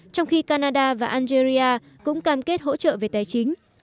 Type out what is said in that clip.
trong khi canada và algeria cũng cam kết hỗ trợ về tài chính